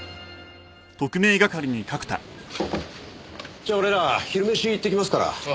じゃあ俺ら昼飯行ってきますから。